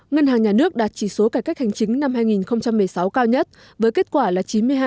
ngân hàng nhà nước đạt chỉ số cải cách hành chính năm hai nghìn một mươi sáu cao nhất với kết quả là chín mươi hai sáu mươi tám